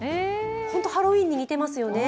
本当にハロウィーンに似てますよね。